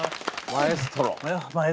マエストロ！